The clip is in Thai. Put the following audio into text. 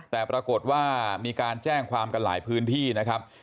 แต่ปรากฏว่ามีการแจ้งความกันหลายพื้นที่นะครับ